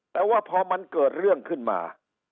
แต่ว่าพอมันเกิดเรื่องขึ้นมา